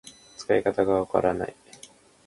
使い方がわからない